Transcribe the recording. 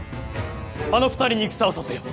あの２人に戦をさせよ。